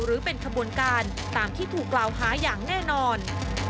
หรือเป็นขบวนการตามที่ถูกกล่าวหาอย่างแน่นอน